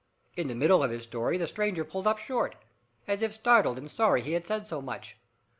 In the midst of his story the stranger pulled up short, as if startled and sorry he had said so much.